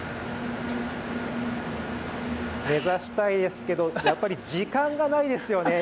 目指したいですけどやっぱり時間がないですよね。